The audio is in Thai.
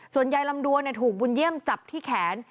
ยายลำดวนถูกบุญเยี่ยมจับที่แขน